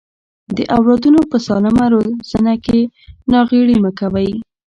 د اولادونو په سالمه روزنه کې ناغيړي مکوئ.